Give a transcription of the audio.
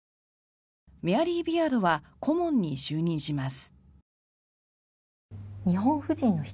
メアリー・ビアードは顧問に就任します。